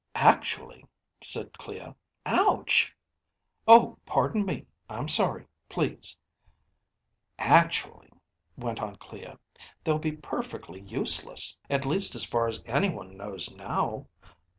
"Actually," said Clea. "Ouch ..." "Oh, pardon me, I'm sorry, please ..." "Actually," went on Clea, "they'll be perfectly useless. At least as far as anyone knows now.